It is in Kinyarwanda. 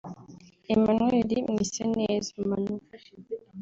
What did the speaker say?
Emmanuel Mwiseneza (Manu)